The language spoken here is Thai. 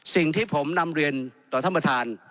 สิ่งที่ผมนำเรียนต่อท่านประธาน